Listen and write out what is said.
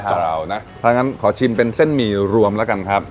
ถ้างั้นขอชิมเป็นเส้นหมี่รวมแล้วกันครับ